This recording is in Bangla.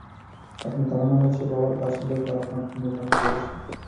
আপনার ধারণা হয়েছে, বাবার কাছে লেখা আপনার নোট আমি পড়েছি।